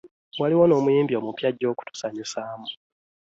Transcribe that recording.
Waliwo n'omuyimbi omupya ajja okutusanyusaamu.